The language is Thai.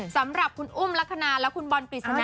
สำหรับคุณอุ้มลักษณะและคุณบอลปริศนา